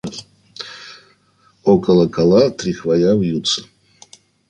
Около кола три хвоя вьются.